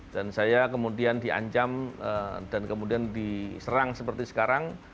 dan saya kemudian dianjam dan kemudian diserang seperti sekarang